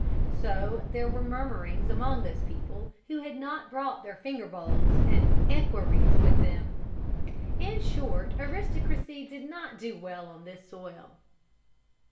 So there were murmurings among those people who had not brought their finger bowls and equerries with them. [Illustration: ARISTOCRACY SNUBBED.] In short, aristocracy did not do well on this soil.